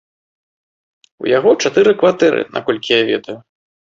У яго чатыры кватэры, наколькі я ведаю.